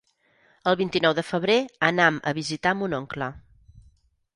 El vint-i-nou de febrer anam a visitar mon oncle.